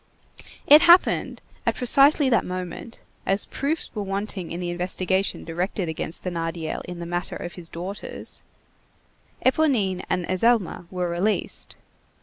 It happened, that at precisely that moment, as proofs were wanting in the investigation directed against Thénardier in the matter of his daughters, Éponine and Azelma were released.